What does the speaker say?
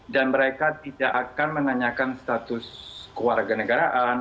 dan mereka tidak akan menanyakan status keluarga negaraan